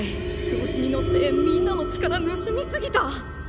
調子に乗ってみんなの力ぬすみ過ぎた！？